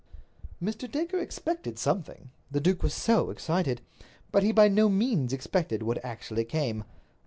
Mr. Dacre expected something. The duke was so excited. But he by no means expected what actually came.